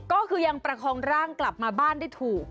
ก็คือยังประคองร่างกลับมาบ้านได้ถูก